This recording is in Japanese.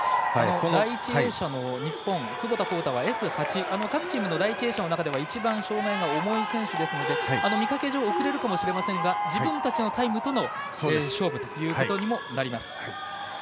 第１泳者の日本窪田幸太はＳ８各チームの第１泳者の中では一番障がいが重い選手なので見かけ上遅れるかもしれませんが自分たちのタイムとの勝負ということにもなります。